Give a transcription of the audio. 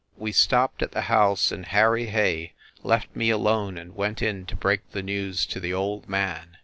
We stopped at the house, and Harry Hay left me alone and went in to break the news to the old man.